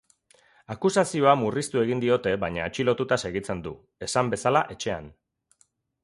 Akusazioa murriztu egin diote baina atxilotuta segitzen du, esan bezala etxean.